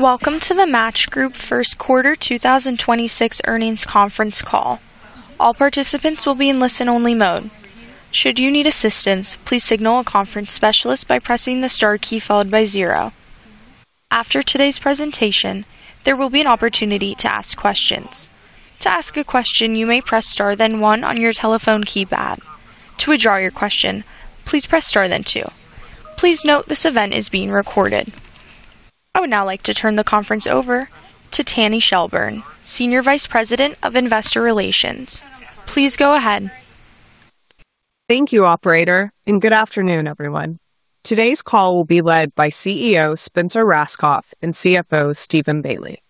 Welcome to the Match Group first quarter 2026 Earnings Conference Call. All participants will be in only-listen mode. Should you need assistance, please signal the conference specialist by pressing star key followed by zero. After today's presentation, there will be an opportunity to ask questions. Please note this event is being recorded. I would now like to turn the conference over to Tanny Shelburne, Senior Vice President of Investor Relations. Please go ahead. Thank you, operator, and good afternoon, everyone. Today's call will be led by CEO Spencer Rascoff and CFO Steven Bailey.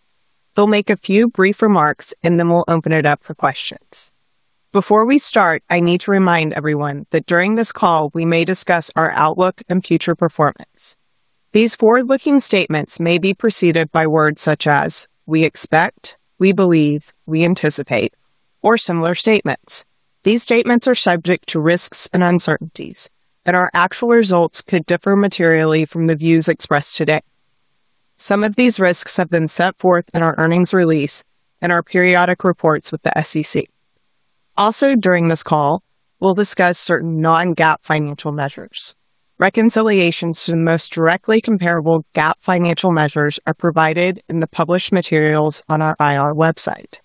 They'll make a few brief remarks, and then we'll open it up for questions. Before we start, I need to remind everyone that during this call we may discuss our outlook and future performance. These forward-looking statements may be preceded by words such as "we expect," "we believe," "we anticipate," or similar statements. These statements are subject to risks and uncertainties, and our actual results could differ materially from the views expressed today. Some of these risks have been set forth in our earnings release and our periodic reports with the SEC. Also, during this call, we'll discuss certain non-GAAP financial measures. Reconciliations to the most directly comparable GAAP financial measures are provided in the published materials on our IR website.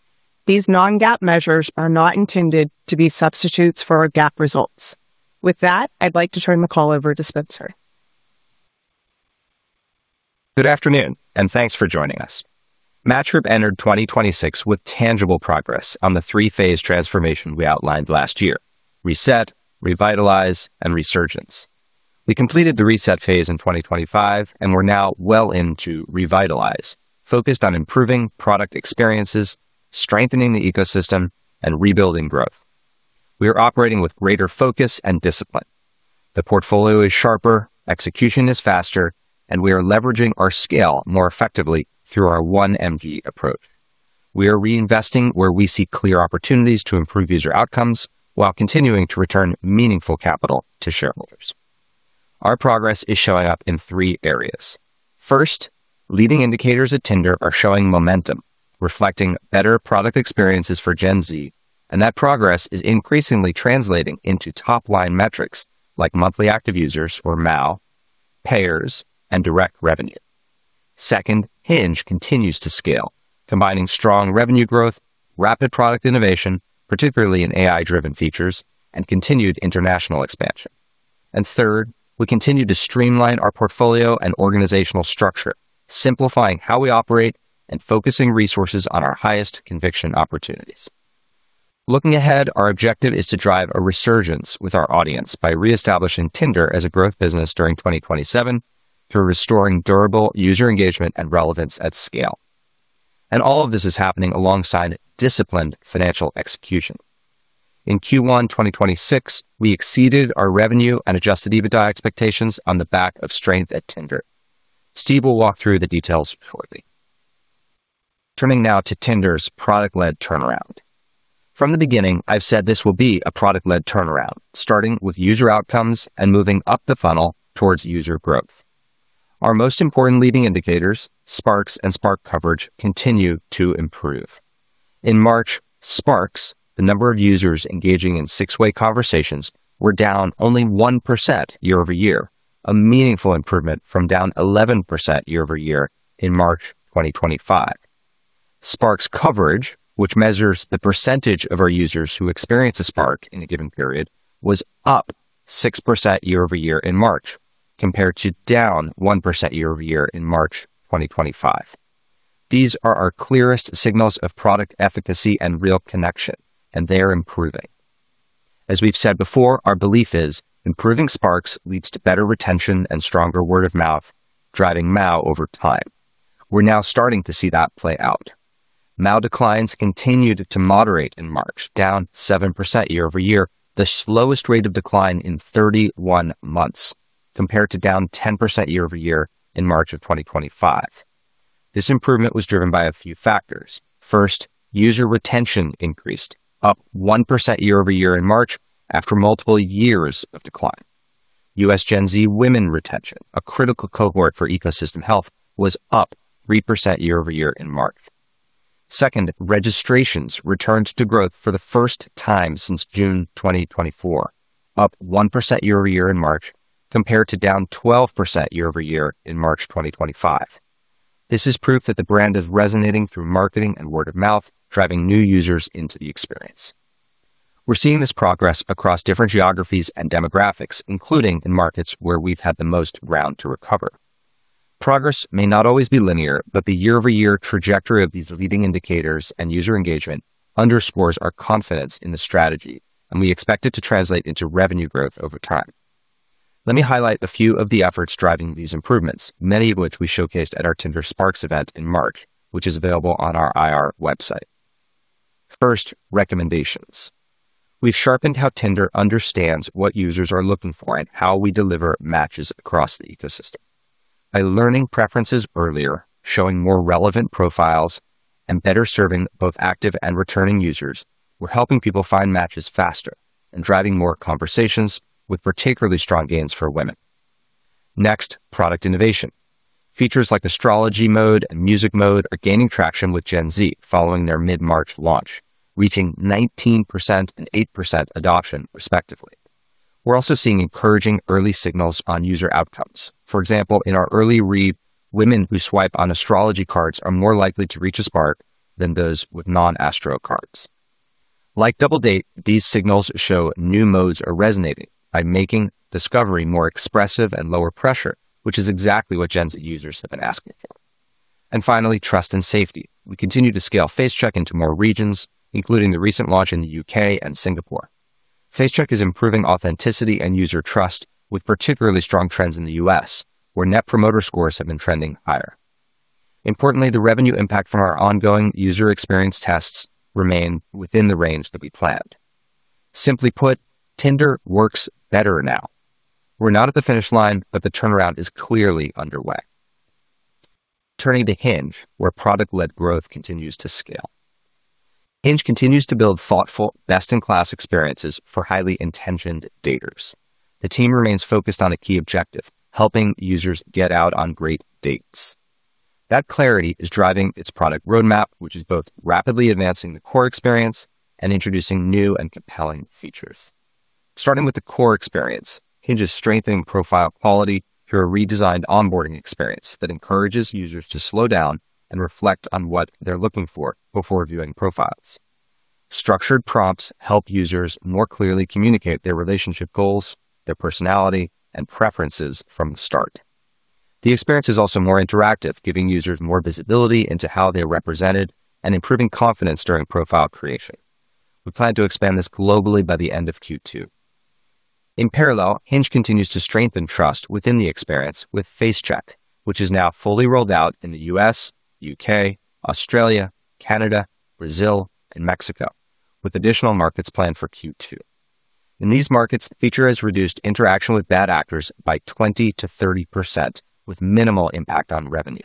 These non-GAAP measures are not intended to be substitutes for our GAAP results. With that, I'd like to turn the call over to Spencer. Good afternoon, and thanks for joining us. Match Group entered 2026 with tangible progress on the three-phase transformation we outlined last year: reset, revitalize, and resurgence. We completed the reset phase in 2025, and we're now well into revitalize, focused on improving product experiences, strengthening the ecosystem, and rebuilding growth. We are operating with greater focus and discipline. The portfolio is sharper, execution is faster, and we are leveraging our scale more effectively through our One MG approach. We are reinvesting where we see clear opportunities to improve user outcomes while continuing to return meaningful capital to shareholders. Our progress is showing up in three areas. First, leading indicators at Tinder are showing momentum, reflecting better product experiences for Gen Z, and that progress is increasingly translating into top-line metrics like monthly active users or MAU, payers, and direct revenue. Second, Hinge continues to scale, combining strong revenue growth, rapid product innovation, particularly in AI-driven features, and continued international expansion. Third, we continue to streamline our portfolio and organizational structure, simplifying how we operate and focusing resources on our highest conviction opportunities. Looking ahead, our objective is to drive a resurgence with our audience by reestablishing Tinder as a growth business during 2027 through restoring durable user engagement and relevance at scale. All of this is happening alongside disciplined financial execution. In Q1 2026, we exceeded our revenue and Adjusted EBITDA expectations on the back of strength at Tinder. Steve will walk through the details shortly. Turning now to Tinder's product-led turnaround. From the beginning, I've said this will be a product-led turnaround, starting with user outcomes and moving up the funnel towards user growth. Our most important leading indicators, Sparks and Spark's coverage, continue to improve. In March, Sparks, the number of users engaging in six-way conversations, were down only 1% year-over-year, a meaningful improvement from down 11% year-over-year in March 2025. Spark's coverage, which measures the percentage of our users who experience a spark in a given period, was up 6% year-over-year in March, compared to down 1% year-over-year in March 2025. These are our clearest signals of product efficacy and real connection, and they are improving. As we've said before, our belief is improving sparks leads to better retention and stronger word-of-mouth, driving MAU over time. We're now starting to see that play out. MAU declines continued to moderate in March, down 7% year-over-year, the slowest rate of decline in 31 months, compared to down 10% year-over-year in March of 2025. This improvement was driven by a few factors. First, user retention increased, up 1% year-over-year in March after multiple years of decline. U.S. Gen Z women retention, a critical cohort for ecosystem health, was up 3% year-over-year in March. Second, registrations returned to growth for the first time since June 2024, up 1% year-over-year in March compared to down 12% year-over-year in March 2025. This is proof that the brand is resonating through marketing and word-of-mouth, driving new users into the experience. We're seeing this progress across different geographies and demographics, including in markets where we've had the most ground to recover. Progress may not always be linear, the year-over-year trajectory of these leading indicators and user engagement underscores our confidence in the strategy, and we expect it to translate into revenue growth over time. Let me highlight a few of the efforts driving these improvements, many of which we showcased at our Tinder Sparks event in March, which is available on our IR website. First, recommendations. We've sharpened how Tinder understands what users are looking for and how we deliver matches across the ecosystem. By learning preferences earlier, showing more relevant profiles, better serving both active and returning users, we're helping people find matches faster and driving more conversations with particularly strong gains for women. Next, product innovation. Features like Astrology Mode and Music Mode are gaining traction with Gen Z following their mid-March launch, reaching 19% and 8% adoption respectively. We're also seeing encouraging early signals on user outcomes. For example, in our early read, women who swipe on Astrology Mode cards are more likely to reach a spark than those with non-astro cards. Like Double Date, these signals show new modes are resonating by making discovery more expressive and lower pressure, which is exactly what Gen Z users have been asking for. Finally, trust and safety. We continue to scale Face Check into more regions, including the recent launch in the U.K. and Singapore. Face Check is improving authenticity and user trust with particularly strong trends in the U.S., where net promoter scores have been trending higher. Importantly, the revenue impact from our ongoing user experience tests remain within the range that we planned. Simply put, Tinder works better now. We're not at the finish line, the turnaround is clearly underway. Turning to Hinge, where product-led growth continues to scale. Hinge continues to build thoughtful, best-in-class experiences for highly intentioned daters. The team remains focused on a key objective, helping users get out on great dates. That clarity is driving its product roadmap, which is both rapidly advancing the core experience and introducing new and compelling features. Starting with the core experience, Hinge is strengthening profile quality through a redesigned onboarding experience that encourages users to slow down and reflect on what they're looking for before viewing profiles. Structured prompts help users more clearly communicate their relationship goals, their personality, and preferences from the start. The experience is also more interactive, giving users more visibility into how they're represented and improving confidence during profile creation. We plan to expand this globally by the end of Q2. In parallel, Hinge continues to strengthen trust within the experience with Face Check, which is now fully rolled out in the U.S., U.K., Australia, Canada, Brazil, and Mexico, with additional markets planned for Q2. In these markets, the feature has reduced interaction with bad actors by 20%-30% with minimal impact on revenue.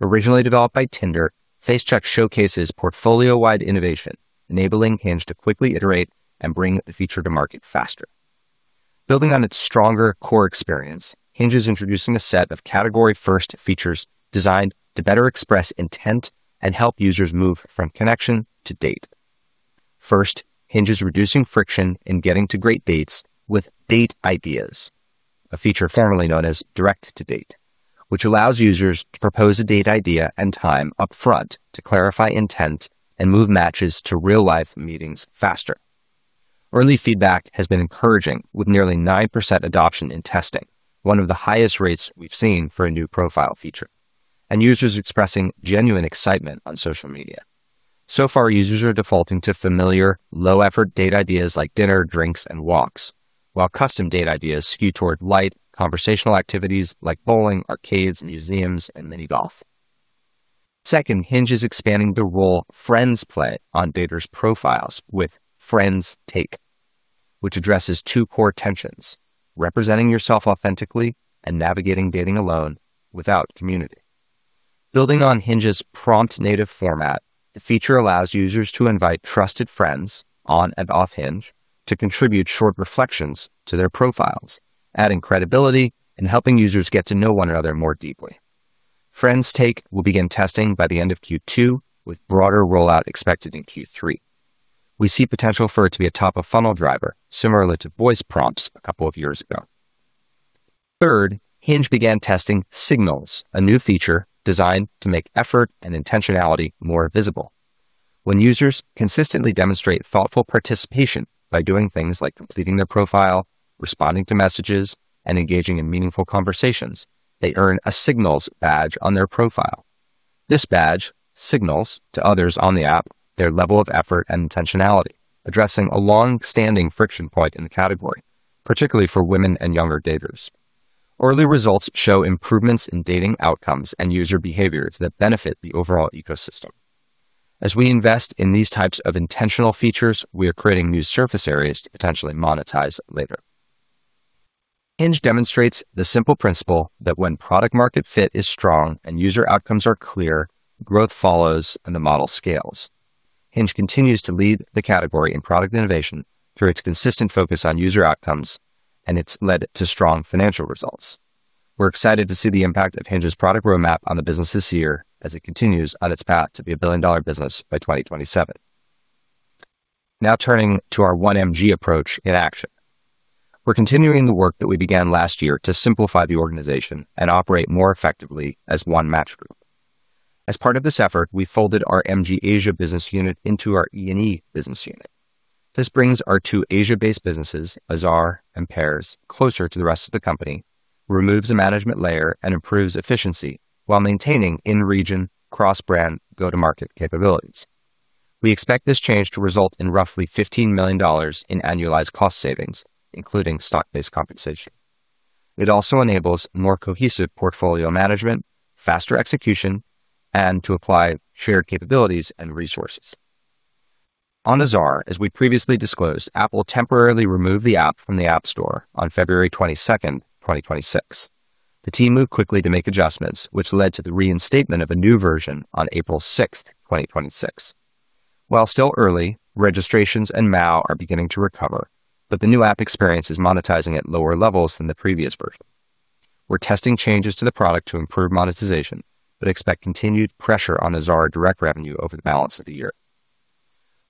Originally developed by Tinder, Face Check showcases portfolio-wide innovation, enabling Hinge to quickly iterate and bring the feature to market faster. Building on its stronger core experience, Hinge is introducing a set of category-first features designed to better express intent and help users move from connection to date. First, Hinge is reducing friction in getting to great dates with Date Ideas, a feature formerly known as Direct to Date, which allows users to propose a date idea and time upfront to clarify intent and move matches to real-life meetings faster. Early feedback has been encouraging, with nearly 9% adoption in testing, one of the highest rates we've seen for a new profile feature, and users expressing genuine excitement on social media. Users are defaulting to familiar low-effort date ideas like dinner, drinks, and walks, while custom date ideas skew toward light conversational activities like bowling, arcades, museums, and mini golf. Second, Hinge is expanding the role friends play on daters' profiles with Friends Take, which addresses two core tensions, representing yourself authentically and navigating dating alone without community. Building on Hinge's prompt-native format, the feature allows users to invite trusted friends on and off Hinge to contribute short reflections to their profiles, adding credibility and helping users get to know one another more deeply. Friends Take will begin testing by the end of Q2, with broader rollout expected in Q3. We see potential for it to be a top-of-funnel driver, similar to voice prompts a couple of years ago. Third, Hinge began testing Signals, a new feature designed to make effort and intentionality more visible. When users consistently demonstrate thoughtful participation by doing things like completing their profile, responding to messages, and engaging in meaningful conversations, they earn a Signals badge on their profile. This badge signals to others on the app their level of effort and intentionality, addressing a long-standing friction point in the category, particularly for women and younger daters. Early results show improvements in dating outcomes and user behaviors that benefit the overall ecosystem. As we invest in these types of intentional features, we are creating new surface areas to potentially monetize later. Hinge demonstrates the simple principle that when product-market fit is strong and user outcomes are clear, growth follows and the model scales. Hinge continues to lead the category in product innovation through its consistent focus on user outcomes, and it's led to strong financial results. We're excited to see the impact of Hinge's product roadmap on the business this year as it continues on its path to be a billion-dollar business by 2027. Now turning to our One MG approach in action. We're continuing the work that we began last year to simplify the organization and operate more effectively as One Match Group. As part of this effort, we folded our MG Asia business unit into our E&E business unit. This brings our two Asia-based businesses, Azar and Pairs, closer to the rest of the company, removes a management layer, and improves efficiency while maintaining in-region, cross-brand, go-to-market capabilities. We expect this change to result in roughly $15 million in annualized cost savings, including stock-based compensation. It also enables more cohesive portfolio management, faster execution, and to apply shared capabilities and resources. On Azar, as we previously disclosed, Apple temporarily removed the app from the App Store on February 22nd, 2026. The team moved quickly to make adjustments, which led to the reinstatement of a new version on April 6th, 2026. While still early, registrations and MAU are beginning to recover, but the new app experience is monetizing at lower levels than the previous version. We're testing changes to the product to improve monetization, but expect continued pressure on Azar direct revenue over the balance of the year.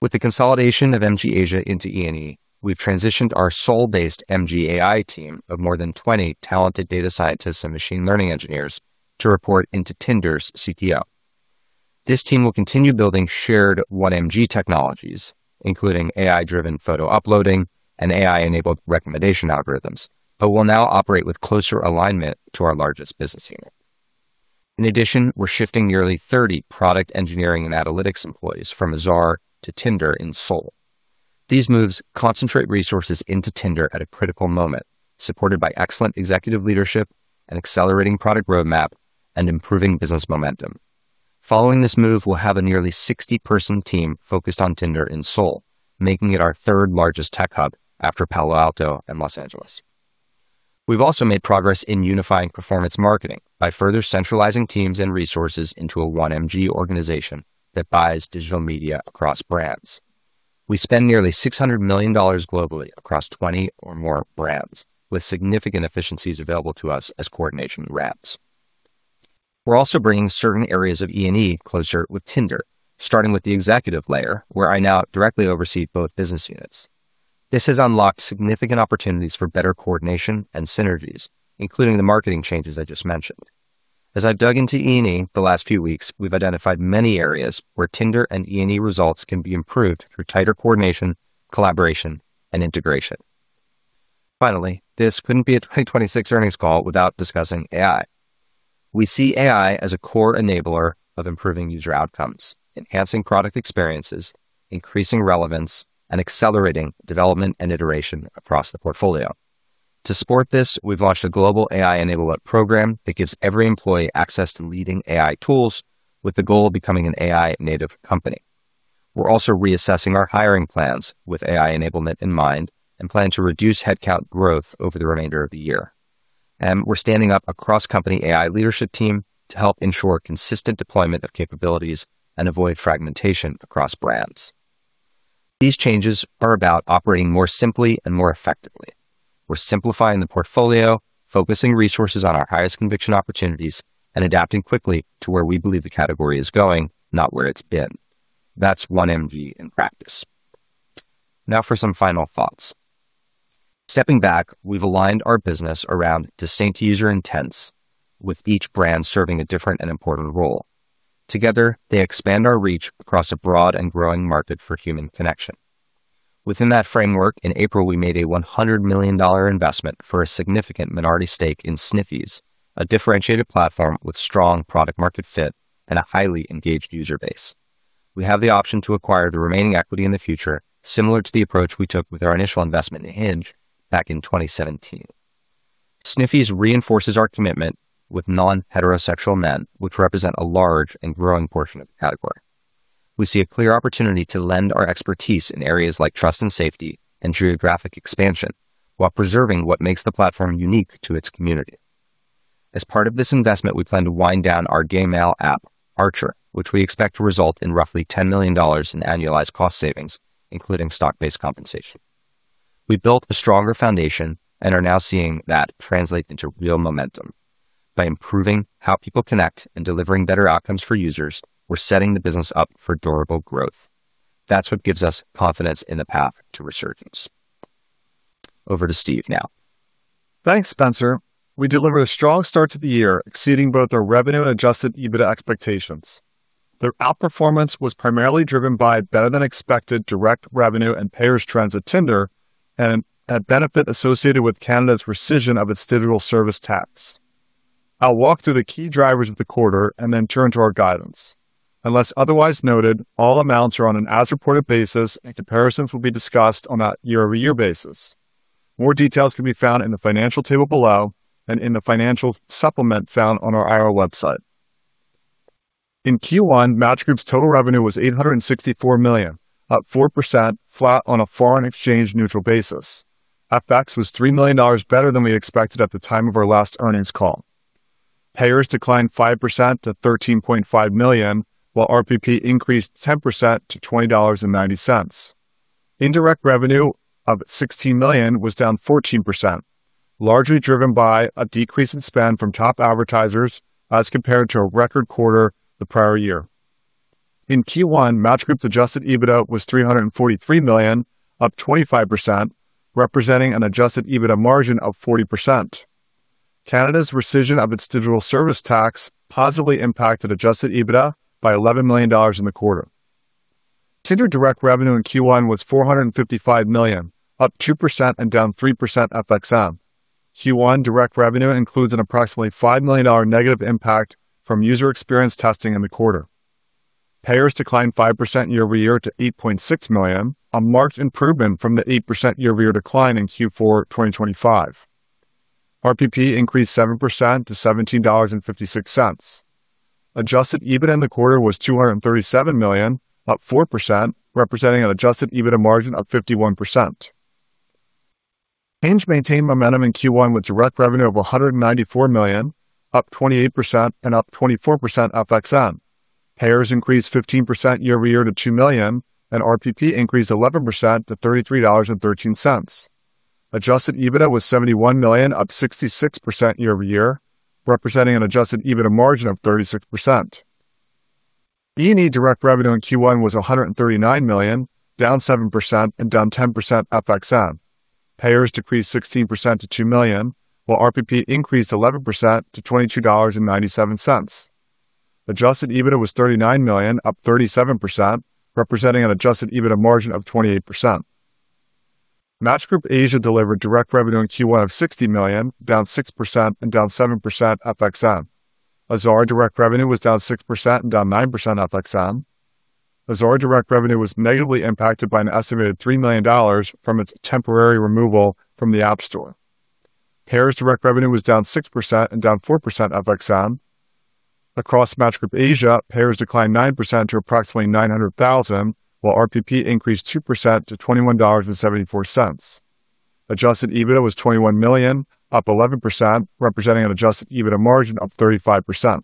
With the consolidation of MG Asia into E&E, we've transitioned our Seoul-based MG AI team of more than 20 talented data scientists and machine learning engineers to report into Tinder's CTO. This team will continue building shared One MG technologies, including AI-driven photo uploading and AI-enabled recommendation algorithms, but will now operate with closer alignment to our largest business unit. In addition, we're shifting nearly 30 product engineering and analytics employees from Azar to Tinder in Seoul. These moves concentrate resources into Tinder at a critical moment, supported by excellent executive leadership, an accelerating product roadmap, and improving business momentum. Following this move, we'll have a nearly 60-person team focused on Tinder in Seoul, making it our third-largest tech hub after Palo Alto and Los Angeles. We've also made progress in unifying performance marketing by further centralizing teams and resources into a One MG organization that buys digital media across brands. We spend nearly $600 million globally across 20 or more brands, with significant efficiencies available to us as coordination ramps. We're also bringing certain areas of E&E closer with Tinder, starting with the executive layer, where I now directly oversee both business units. This has unlocked significant opportunities for better coordination and synergies, including the marketing changes I just mentioned. As I've dug into E&E the last few weeks, we've identified many areas where Tinder and E&E results can be improved through tighter coordination, collaboration, and integration. This couldn't be a 2026 earnings call without discussing AI. We see AI as a core enabler of improving user outcomes, enhancing product experiences, increasing relevance, and accelerating development and iteration across the portfolio. To support this, we've launched a global AI enablement program that gives every employee access to leading AI tools with the goal of becoming an AI-native company. We're also reassessing our hiring plans with AI enablement in mind and plan to reduce headcount growth over the remainder of the year. We're standing up a cross-company AI leadership team to help ensure consistent deployment of capabilities and avoid fragmentation across brands. These changes are about operating more simply and more effectively. We're simplifying the portfolio, focusing resources on our highest conviction opportunities, and adapting quickly to where we believe the category is going, not where it's been. That's One MG in practice. Now for some final thoughts. Stepping back, we've aligned our business around distinct user intents, with each brand serving a different and important role. Together, they expand our reach across a broad and growing market for human connection. Within that framework, in April, we made a $100 million investment for a significant minority stake in Sniffies, a differentiated platform with strong product-market fit and a highly engaged user base. We have the option to acquire the remaining equity in the future, similar to the approach we took with our initial investment in Hinge back in 2017. Sniffies reinforces our commitment with non-heterosexual men, which represent a large and growing portion of the category. We see a clear opportunity to lend our expertise in areas like trust and safety and geographic expansion while preserving what makes the platform unique to its community. As part of this investment, we plan to wind down our gay male app, Archer, which we expect to result in roughly $10 million in annualized cost savings, including stock-based compensation. We built a stronger foundation and are now seeing that translate into real momentum. By improving how people connect and delivering better outcomes for users, we're setting the business up for durable growth. That's what gives us confidence in the path to resurgence. Over to Steve now. Thanks, Spencer. We delivered a strong start to the year, exceeding both our revenue and Adjusted EBITDA expectations. Their outperformance was primarily driven by better-than-expected direct revenue and payers trends at Tinder and a benefit associated with Canada's Digital Services Tax. I'll walk through the key drivers of the quarter and then turn to our guidance. Unless otherwise noted, all amounts are on an as-reported basis, and comparisons will be discussed on a year-over-year basis. More details can be found in the financial table below and in the financial supplement found on our IR website. In Q1, Match Group's total revenue was $864 million, up 4%, flat on a foreign exchange neutral basis. FX was $3 million better than we expected at the time of our last earnings call. Payers declined 5% to $13.5 million, while RPP increased 10% to $20.90. Indirect revenue of $16 million was down 14%, largely driven by a decrease in spend from top advertisers as compared to a record quarter the prior year. In Q1, Match Group's Adjusted EBITDA was $343 million, up 25%, representing an Adjusted EBITDA margin of 40%. Canada's rescission of its Digital Services Tax positively impacted Adjusted EBITDA by $11 million in the quarter. Tinder direct revenue in Q1 was $455 million, up 2% and down 3% FXN. Q1 direct revenue includes an approximately $5 million negative impact from user experience testing in the quarter. Payers declined 5% year-over-year to 8.6 million, a marked improvement from the 8% year-over-year decline in Q4 2025. RPP increased 7% to $17.56. Adjusted EBITDA in the quarter was $237 million, up 4%, representing an Adjusted EBITDA margin of 51%. Hinge maintained momentum in Q1 with direct revenue of $194 million, up 28% and up 24% FXN. Payers increased 15% year-over-year to two million, and RPP increased 11% to $33.13. Adjusted EBITDA was $71 million, up 66% year-over-year, representing an Adjusted EBITDA margin of 36%. E&E direct revenue in Q1 was $139 million, down 7% and down 10% FXN. Payers decreased 16% to two million, while RPP increased 11% to $22.97. Adjusted EBITDA was $39 million, up 37%, representing an Adjusted EBITDA margin of 28%. Match Group Asia delivered direct revenue in Q1 of $60 million, down 6% and down 7% FXN. Azar direct revenue was down 6% and down 9% FXN. Azar direct revenue was negatively impacted by an estimated $3 million from its temporary removal from the App Store. Payers direct revenue was down 6% and down 4% FXN. Across Match Group Asia, payers declined 9% to approximately 900,000, while RPP increased 2% to $21.74. Adjusted EBITDA was $21 million, up 11%, representing an Adjusted EBITDA margin of 35%.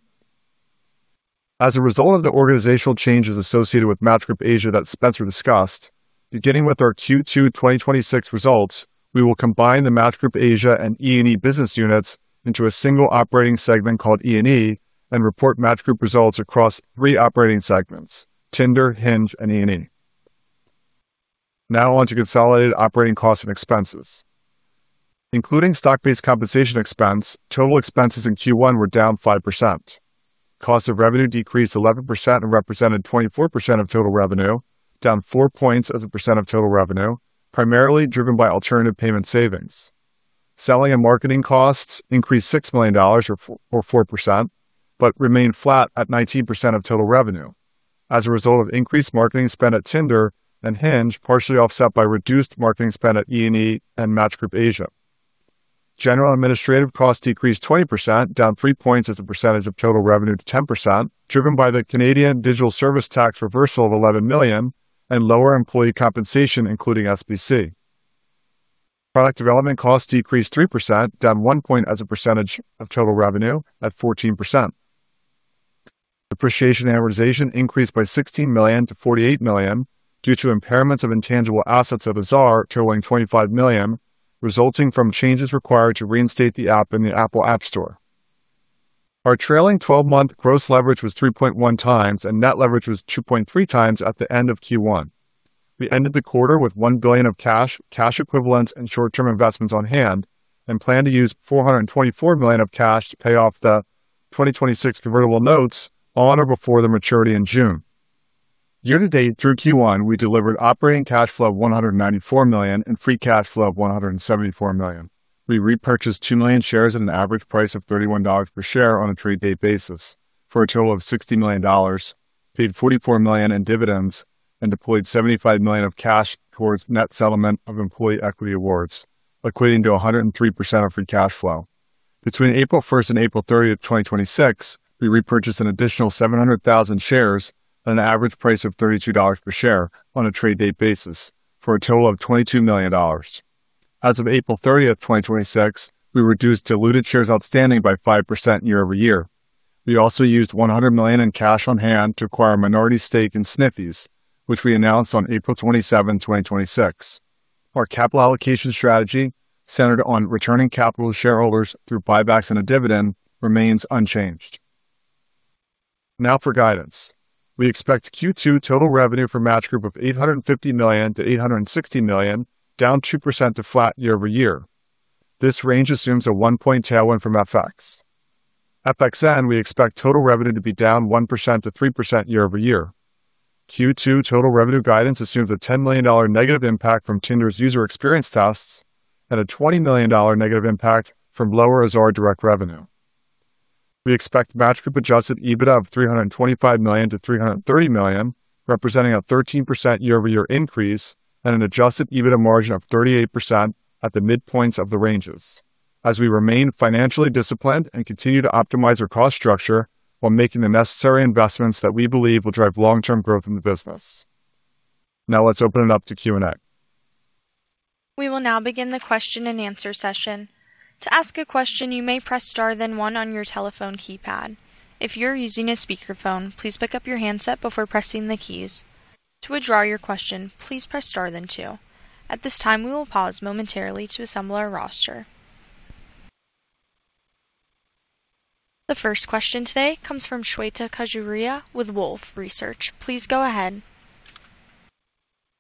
As a result of the organizational changes associated with Match Group Asia that Spencer discussed, beginning with our Q2 2026 results, we will combine the Match Group Asia and E&E business units into a single operating segment called E&E and report Match Group results across three operating segments: Tinder, Hinge, and E&E. On to consolidated operating costs and expenses. Including stock-based compensation expense, total expenses in Q1 were down 5%. Cost of revenue decreased 11% and represented 24% of total revenue, down four points as a percent of total revenue, primarily driven by alternative payment savings. Selling and marketing costs increased $6 million or 4%, but remained flat at 19% of total revenue as a result of increased marketing spend at Tinder and Hinge, partially offset by reduced marketing spend at E&E and Match Group Asia. General and administrative costs decreased 20%, down three points as a percentage of total revenue to 10%, driven by the Canadian digital services tax reversal of $11 million and lower employee compensation, including SBC. Product development costs decreased 3%, down one point as a percentage of total revenue at 14%. Depreciation amortization increased by $16 million to $48 million due to impairments of intangible assets of Azar totaling $25 million, resulting from changes required to reinstate the app in the Apple App Store. Our trailing 12-month gross leverage was 3.1x, and net leverage was 2.3x at the end of Q1. We ended the quarter with $1 billion of cash equivalents, and short-term investments on hand and plan to use $424 million of cash to pay off the 2026 convertible notes on or before their maturity in June. Year-to-date through Q1, we delivered operating cash flow of $194 million and free cash flow of $174 million. We repurchased 2 million shares at an average price of $31 per share on a trade date basis for a total of $60 million, paid $44 million in dividends, and deployed $75 million of cash towards net settlement of employee equity awards, equating to 103% of free cash flow. Between April 1st and April 30th, 2026, we repurchased an additional 700,000 shares at an average price of $32 per share on a trade date basis for a total of $22 million. As of April 30th, 2026, we reduced diluted shares outstanding by 5% year-over-year. We also used $100 million in cash on hand to acquire a minority stake in Sniffies, which we announced on April 27, 2026. Our capital allocation strategy, centered on returning capital to shareholders through buybacks and a dividend, remains unchanged. Now for guidance. We expect Q2 total revenue for Match Group of $850 million-$860 million, down 2% to flat year-over-year. This range assumes a one-point tailwind from FX. FXN, we expect total revenue to be down 1%-3% year-over-year. Q2 total revenue guidance assumes a $10 million negative impact from Tinder's user experience tests and a $20 million negative impact from lower Azar direct revenue. We expect Match Group Adjusted EBITDA of $325 million-$330 million, representing a 13% year-over-year increase and an Adjusted EBITDA margin of 38% at the midpoints of the ranges. As we remain financially disciplined and continue to optimize our cost structure while making the necessary investments that we believe will drive long-term growth in the business. Let's open it up to Q&A. We will now begin the question-and-answer session. To ask a question you may press star then one on your telephone keypad. If you are using a speaker phone, please pick up your headset before pressing the keys. To withdraw your question please press star then two. At this time we will pause momentarily to assemble our roster. The first question today comes from Shweta Khajuria with Wolfe Research. Please go ahead.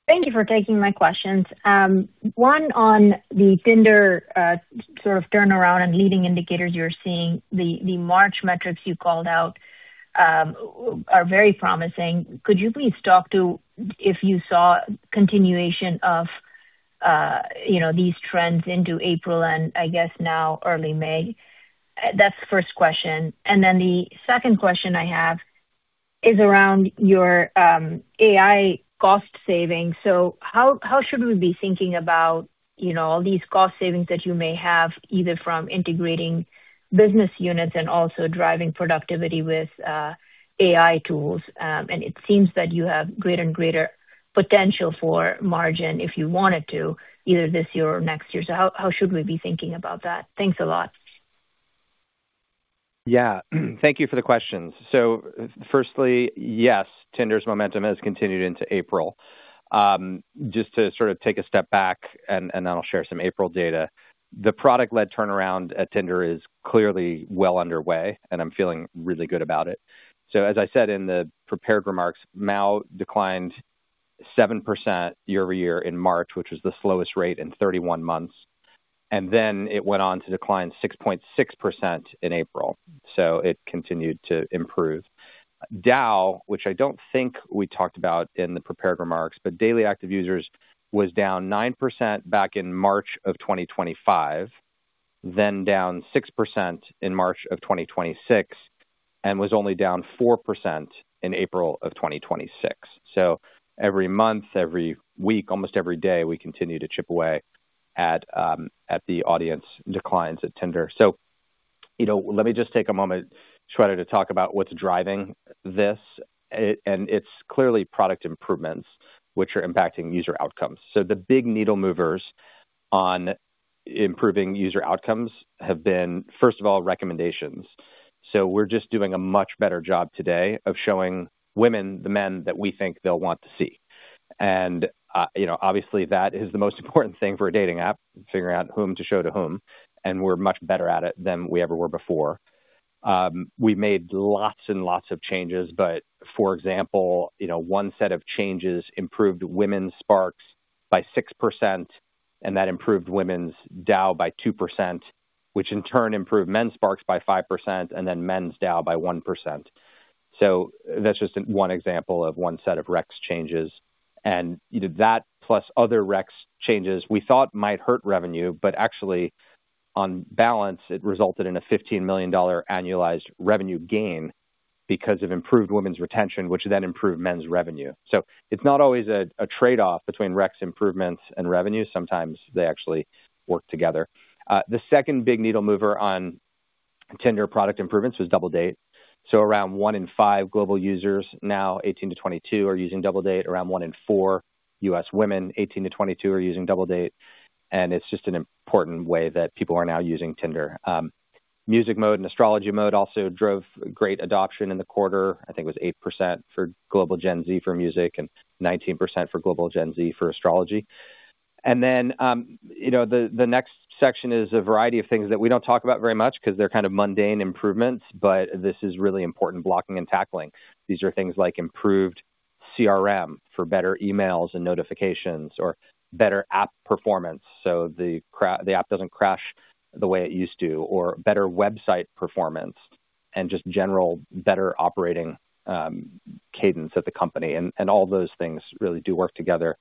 Thank you for taking my questions. One on the Tinder sort of turnaround and leading indicators you're seeing. The March metrics you called out are very promising. Could you please talk to if you saw continuation of these trends into April and I guess now early May? That's the first question. The second question I have is around your AI cost savings. How should we be thinking about all these cost savings that you may have, either from integrating business units and also driving productivity with AI tools? It seems that you have greater and greater potential for margin if you wanted to, either this year or next year. How should we be thinking about that? Thanks a lot. Yeah. Thank you for the questions. Firstly, yes, Tinder's momentum has continued into April. Just to sort of take a step back and then I'll share some April data. The product-led turnaround at Tinder is clearly well underway, and I'm feeling really good about it. As I said in the prepared remarks, MAU declined 7% year-over-year in March, which was the slowest rate in 31 months. It went on to decline 6.6% in April, so it continued to improve. DAU, which I don't think we talked about in the prepared remarks, but Daily Active Users was down 9% back in March of 2025, then down 6% in March of 2026, and was only down 4% in April of 2026. Every month, every week, almost every day, we continue to chip away at the audience declines at Tinder. You know, let me just take a moment, Shweta, to talk about what's driving this. And it's clearly product improvements which are impacting user outcomes. The big needle movers on improving user outcomes have been, first of all, recommendations. We're just doing a much better job today of showing women the men that we think they'll want to see. You know, obviously that is the most important thing for a dating app, figuring out whom to show to whom, and we're much better at it than we ever were before. We've made lots and lots of changes, but for example, you know, one set of changes improved women's sparks by 6%, that improved women's DAU by 2%, which in turn improved men's sparks by 5%, and then men's DAU by 1%. That's just one example of one set of recs changes. You know, that plus other recs changes we thought might hurt revenue, but actually, on balance, it resulted in a $15 million annualized revenue gain because of improved women's retention, which then improved men's revenue. It's not always a trade-off between recs improvements and revenue. Sometimes they actually work together. The second big needle mover on Tinder product improvements was Double Date. Around one in five global users now 18-22 are using Double Date. Around one in four U.S. women 18-22 are using Double Date. It's just an important way that people are now using Tinder. Music Mode and Astrology Mode also drove great adoption in the quarter. I think it was 8% for global Gen Z for music and 19% for global Gen Z for astrology. Then, you know, the next section is a variety of things that we don't talk about very much because they're kind of mundane improvements, but this is really important blocking and tackling. These are things like improved CRM for better emails and notifications or better app performance, so the app doesn't crash the way it used to, or better website performance and just general better operating cadence of the company. All those things really do work together.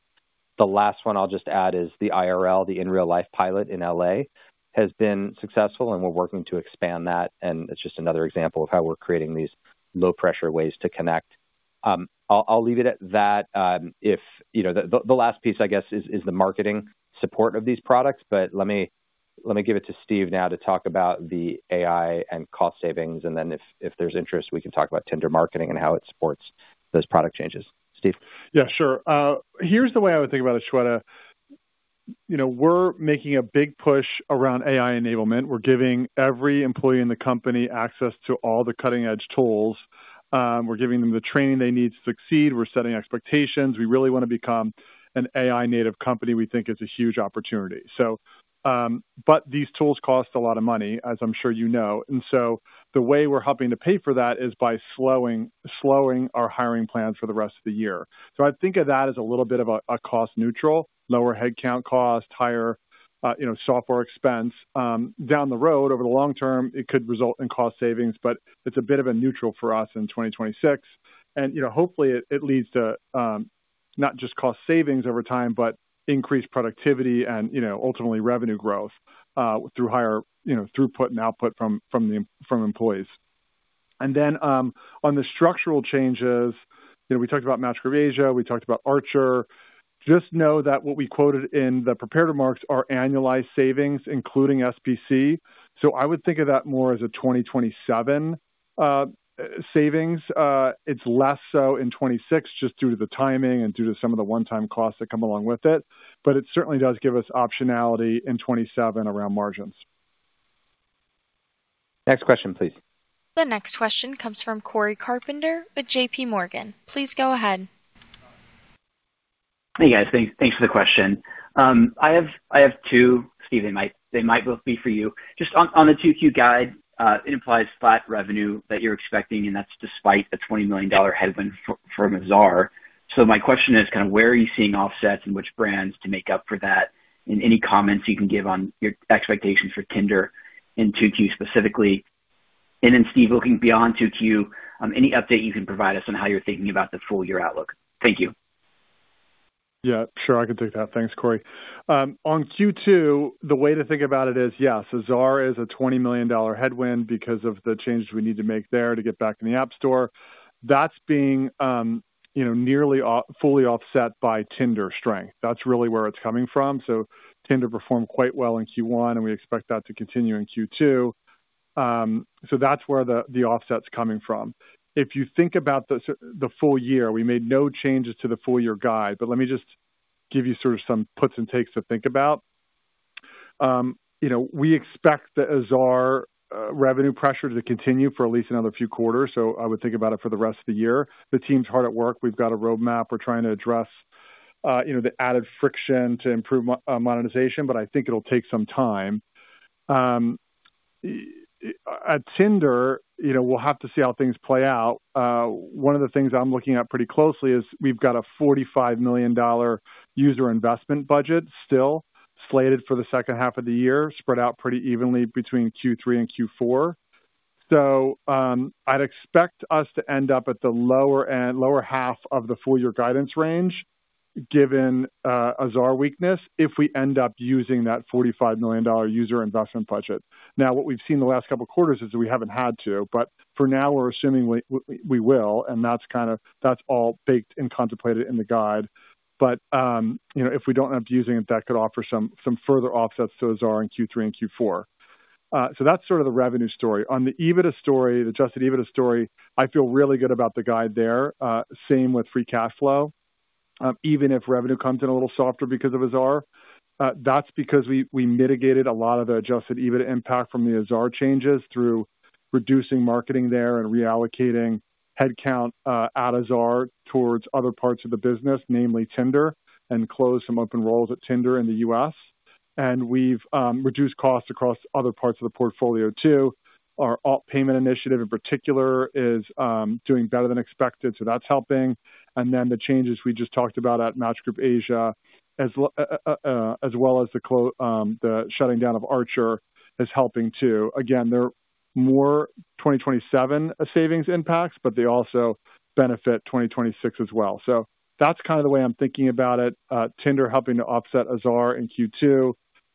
The last one I'll just add is the IRL, the In Real Life pilot in L.A. has been successful, and we're working to expand that, and it's just another example of how we're creating these low-pressure ways to connect. I'll leave it at that. If, you know, the last piece, I guess, is the marketing support of these products. Let me give it to Steve now to talk about the AI and cost savings. Then if there's interest, we can talk about Tinder marketing and how it supports those product changes. Steve? Yeah, sure. Here's the way I would think about it, Shweta. You know, we're making a big push around AI enablement. We're giving every employee in the company access to all the cutting-edge tools. We're giving them the training they need to succeed. We're setting expectations. We really wanna become an AI-native company. We think it's a huge opportunity. These tools cost a lot of money, as I'm sure you know. The way we're helping to pay for that is by slowing our hiring plans for the rest of the year. I'd think of that as a little bit of a cost neutral. Lower headcount cost, higher, you know, software expense. Down the road, over the long term, it could result in cost savings, but it's a bit of a neutral for us in 2026. You know, hopefully it leads to not just cost savings over time, but increased productivity and, you know, ultimately revenue growth through higher, you know, throughput and output from employees. On the structural changes, you know, we talked about Match Group Asia, we talked about Archer. Just know that what we quoted in the prepared remarks are annualized savings, including SBC. I would think of that more as a 2027 savings. It's less so in 2026 just due to the timing and due to some of the one-time costs that come along with it, but it certainly does give us optionality in 2027 around margins. Next question, please. The next question comes from Cory Carpenter with J.P. Morgan. Please go ahead. Hey, guys. Thanks for the question. I have two. Steven, they might both be for you. Just on the Q2 guide, it implies flat revenue that you're expecting, and that's despite a $20 million headwind from Azar. My question is kind of where are you seeing offsets and which brands to make up for that? Any comments you can give on your expectations for Tinder in Q2 specifically. Steve, looking beyond Q2, any update you can provide us on how you're thinking about the full year outlook? Thank you. Yeah, sure. I can take that. Thanks, Cory. On Q2, the way to think about it is, yes, Azar is a $20 million headwind because of the changes we need to make there to get back in the App Store. That's being, you know, nearly fully offset by Tinder strength. That's really where it's coming from. Tinder performed quite well in Q1, and we expect that to continue in Q2. That's where the offset's coming from. If you think about the full year, we made no changes to the full year guide. Let me just give you sort of some puts and takes to think about. You know, we expect the Azar revenue pressure to continue for at least another few quarters, I would think about it for the rest of the year. The team's hard at work. We've got a roadmap. We're trying to address, you know, the added friction to improve monetization, I think it'll take some time. At Tinder, you know, we'll have to see how things play out. One of the things I'm looking at pretty closely is we've got a $45 million user investment budget still slated for H2 of the year, spread out pretty evenly between Q3 and Q4. I'd expect us to end up at the lower half of the full year guidance range, given Azar weakness, if we end up using that $45 million user investment budget. What we've seen the last couple quarters is that we haven't had to, but for now, we're assuming we will, and that's all baked and contemplated in the guide. You know, if we don't end up using it, that could offer some further offsets to Azar in Q3 and Q4. That's sort of the revenue story. On the EBITDA story, the Adjusted EBITDA story, I feel really good about the guide there. Same with free cash flow, even if revenue comes in a little softer because of Azar. That's because we mitigated a lot of the Adjusted EBITDA impact from the Azar changes through reducing marketing there and reallocating headcount at Azar towards other parts of the business, namely Tinder, and closed some open roles at Tinder in the U.S. We've reduced costs across other parts of the portfolio too. Our alt payment initiative in particular is doing better than expected, that's helping. The changes we just talked about at Match Group Asia, as well as the shutting down of Archer is helping too. Again, they're more 2027 savings impacts, they also benefit 2026 as well. That's kind of the way I'm thinking about it. Tinder helping to offset Azar in Q2.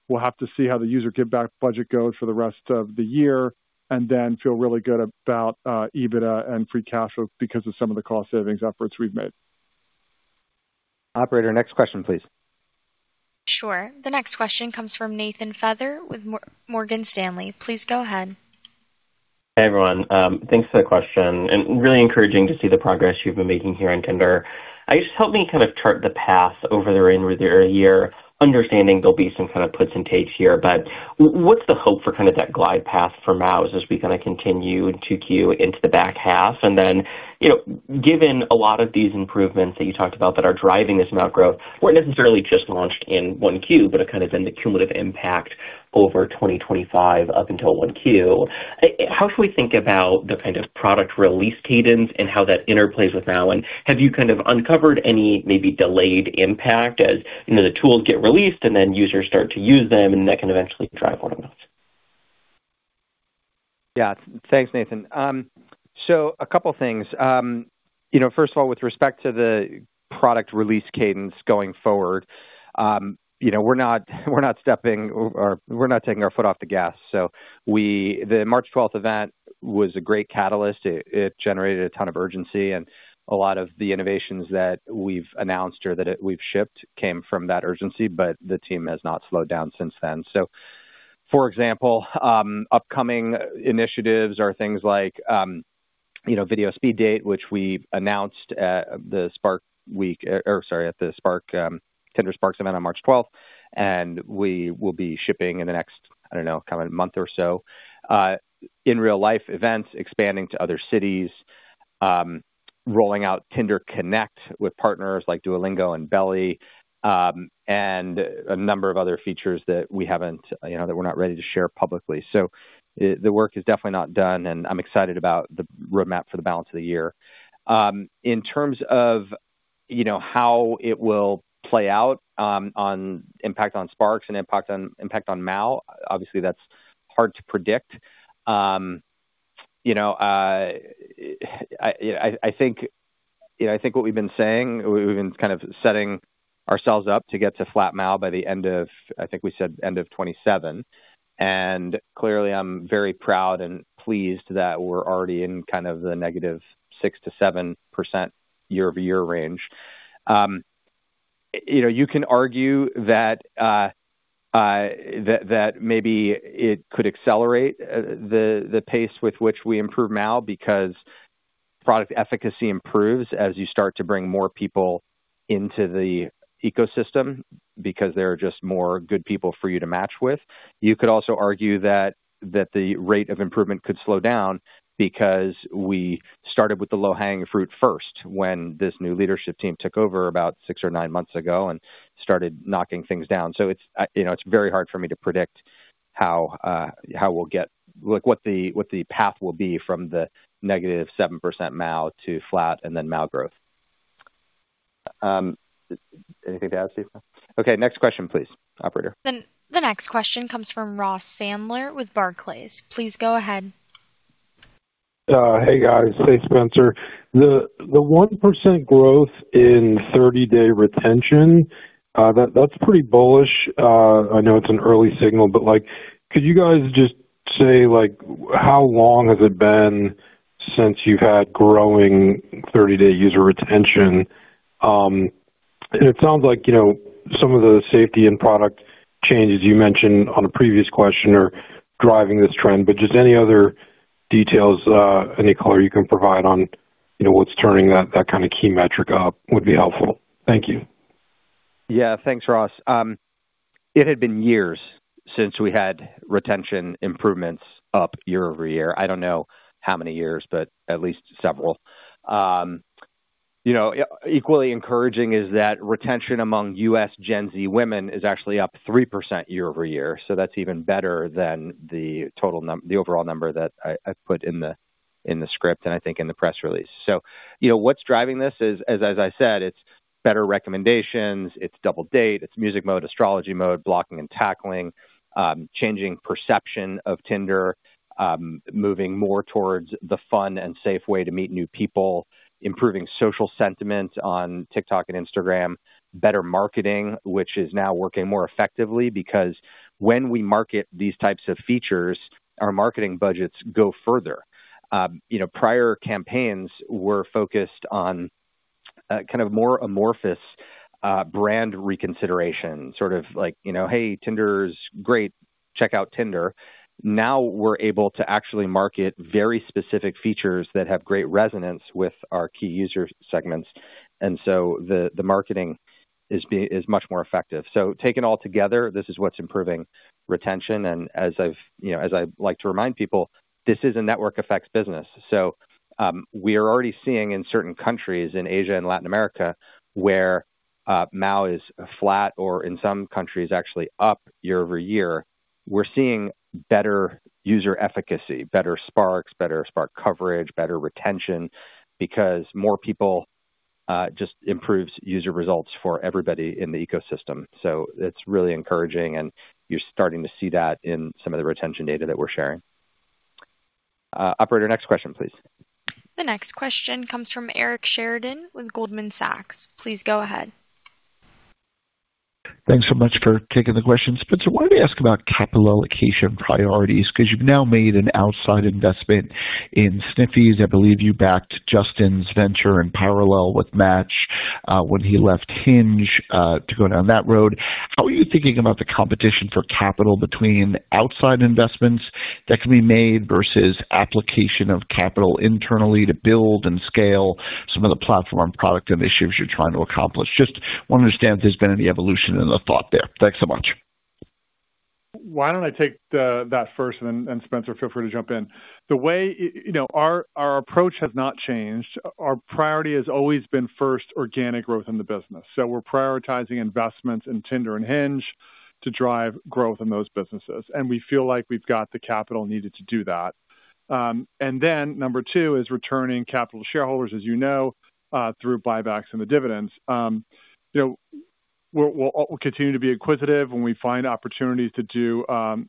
We'll have to see how the user giveback budget goes for the rest of the year, feel really good about EBITDA and free cash flow because of some of the cost savings efforts we've made. Operator, next question, please. Sure. The next question comes from Nathan Feather with Morgan Stanley. Please go ahead. Hey, everyone. Thanks for the question, and really encouraging to see the progress you've been making here on Tinder. Just help me kind of chart the path over the remainder of the year, understanding there'll be some kind of puts and takes here. What's the hope for kind of that glide path for MAUs as we kind of continue in Q2 into the back half? You know, given a lot of these improvements that you talked about that are driving this MAU growth weren't necessarily just launched in Q1, but are kind of in the cumulative impact over 2025 up until Q1. How should we think about the kind of product release cadence and how that interplays with MAU? Have you kind of uncovered any maybe delayed impact as, you know, the tools get released and then users start to use them and that can eventually drive more MAUs? Thanks, Nathan. A couple things. You know, first of all, with respect to the product release cadence going forward, you know, we're not taking our foot off the gas. The March 12th event was a great catalyst. It generated a ton of urgency, and a lot of the innovations that we've announced or that we've shipped came from that urgency, but the team has not slowed down since then. For example, upcoming initiatives are things like, you know, Video Speed Date, which we announced at the Tinder Sparks event on March 12th, and we will be shipping in the next, I don't know, kind of a month or so. In real life, events expanding to other cities, rolling out Tinder Connect with partners like Duolingo and Belly, and a number of other features that we haven't, you know, that we're not ready to share publicly. The work is definitely not done, and I'm excited about the roadmap for the balance of the year. In terms of, you know, how it will play out, on impact on Sparks and impact on MAU, obviously, that's hard to predict. You know, I think, you know, I think what we've been saying, we've been kind of setting ourselves up to get to flat MAU by the end of, I think we said end of 2027, and clearly I'm very proud and pleased that we're already in kind of the negative 6%-7% year-over-year range. You know, you can argue that maybe it could accelerate the pace with which we improve MAU because product efficacy improves as you start to bring more people into the ecosystem because there are just more good people for you to match with. You could also argue that the rate of improvement could slow down because we started with the low-hanging fruit first when this new leadership team took over about six or nine months ago and started knocking things down. It's, you know, it's very hard for me to predict how what the path will be from the negative 7% MAU to flat and then MAU growth. Anything to add, Steve? Okay, next question, please, operator. The next question comes from Ross Sandler with Barclays. Please go ahead. Hey, guys. Hey, Spencer. The 1% growth in 30-day retention, that's pretty bullish. I know it's an early signal, but, like, could you guys just say, like, how long has it been since you've had growing 30-day user retention? It sounds like, you know, some of the safety and product changes you mentioned on a previous question are driving this trend, but just any other details, any color you can provide on, you know, what's turning that kind of key metric up would be helpful. Thank you. Thanks, Ross. It had been years since we had retention improvements up year-over-year. I don't know how many years, but at least several. You know, equally encouraging is that retention among U.S. Gen Z women is actually up 3% year-over-year, so that's even better than the overall number that I put in the script, and I think in the press release. You know, what's driving this is, as I said, it's better recommendations, it's Double Date, it's Music Mode, Astrology Mode, blocking and tackling, changing perception of Tinder, moving more towards the fun and safe way to meet new people, improving social sentiment on TikTok and Instagram, better marketing, which is now working more effectively because when we market these types of features, our marketing budgets go further. Prior campaigns were focused on kind of more amorphous brand reconsideration, "Hey, Tinder's great. Check out Tinder." We're able to actually market very specific features that have great resonance with our key user segments. The marketing is much more effective. Taken all together, this is what's improving retention. As I like to remind people, this is a network effects business. We are already seeing in certain countries in Asia and Latin America where MAU is flat or in some countries actually up year-over-year. We're seeing better user efficacy, better sparks, better spark coverage, better retention because more people just improves user results for everybody in the ecosystem. It's really encouraging, and you're starting to see that in some of the retention data that we're sharing. Operator, next question, please. The next question comes from Eric Sheridan with Goldman Sachs. Please go ahead. Thanks so much for taking the question. Spencer, wanted to ask about capital allocation priorities 'cause you've now made an outside investment in Sniffies. I believe you backed Justin's venture in parallel with Match when he left Hinge to go down that road. How are you thinking about the competition for capital between outside investments that can be made versus application of capital internally to build and scale some of the platform product initiatives you're trying to accomplish? Just wanna understand if there's been any evolution in the thought there. Thanks so much. Why don't I take that first, and Spencer, feel free to jump in. The way you know, our approach has not changed. Our priority has always been first organic growth in the business. We're prioritizing investments in Tinder and Hinge to drive growth in those businesses, and we feel like we've got the capital needed to do that. Number two is returning capital to shareholders, as you know, through buybacks and the dividends. You know, we'll continue to be inquisitive. When we find opportunities to do